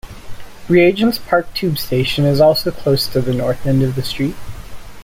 Regents Park tube station is also close to the north end of the street.